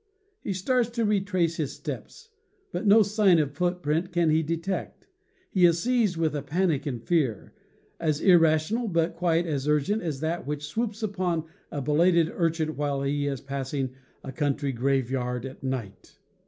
He starts to retrace his steps, but no sign of footprint can he detect. He is seized with a panic of fear, as irrational but quite as urgent as that which swoops upon a belated urchin while he is passing a country 207 208 CAMPING AND WOODCRAFT graveyard at night.